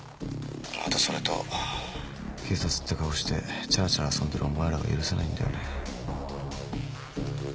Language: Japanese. あとそれと警察っていう顔してちゃらちゃら遊んでるお前らが許せないんだよね」